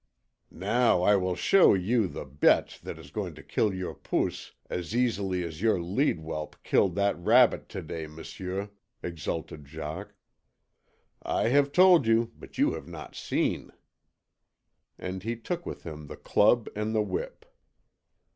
"Now I will show you the BETE that is going to kill your POOS as easily as your lead whelp killed that rabbit to day, m'sieu," exulted Jacques. "I have told you but you have not seen!" And he took with him the club and the whip.